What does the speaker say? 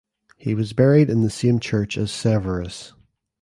He was buried in the same church as Severus.